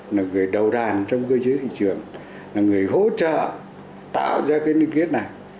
là người đầu đàn trong cơ chế thị trường là người hỗ trợ tạo ra cái liên kết này